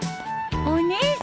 お姉さん！